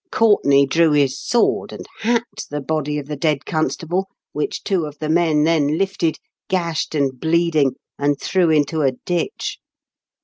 '' Courtenay drew his sword, and hacked the body of the dead constable, which two of the men then lifted, gashed and bleeding, and threw into a ditch.